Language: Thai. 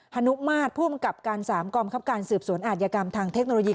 นุมาตรผู้อำกับการ๓กองคับการสืบสวนอาธิกรรมทางเทคโนโลยี